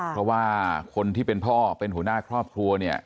เพราะว่าคนที่เป็นพ่อเป็นหัวหน้าครอบครัวเนี่ย